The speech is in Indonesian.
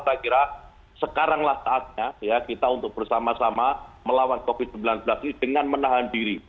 saya kira sekaranglah saatnya kita untuk bersama sama melawan covid sembilan belas ini dengan menahan diri